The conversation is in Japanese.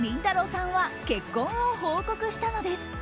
さんは結婚を報告したのです。